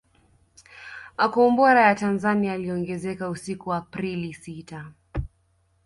Makombora ya Tanzania yaliongezeka usiku wa Aprili sita